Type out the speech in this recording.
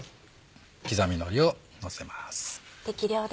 刻みのりをのせます。